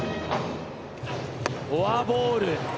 フォアボール。